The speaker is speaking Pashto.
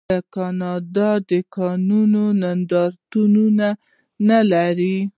آیا کاناډا د کانونو نندارتون نلري؟